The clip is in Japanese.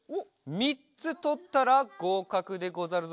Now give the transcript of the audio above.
みっつとったらごうかくでござるぞ。